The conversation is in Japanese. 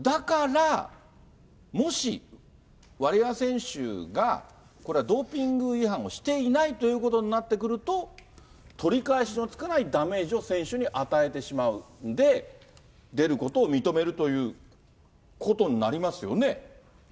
だからもし、ワリエワ選手が、これはドーピング違反をしていないということになってくると、取り返しのつかないダメージを選手に与えてしまうんで、出ることを認めるということになりますよね？